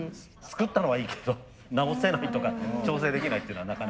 作ったのはいいけど直せないとか調整できないっていうのはなかなかね。